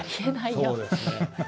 そうですね。